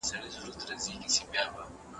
د حالاتو متن ته د ننوتلو وخت رارسېدلی دی.